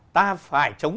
ta phải chống